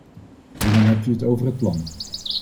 En dan hebt u het over het plan.